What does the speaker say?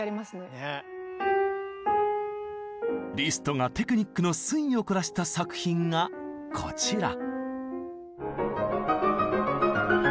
リストがテクニックの粋をこらした作品がこちら。